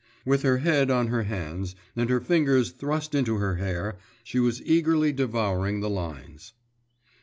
With her head on her hands and her fingers thrust into her hair, she was eagerly devouring the lines.